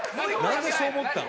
なんでそう思ったの？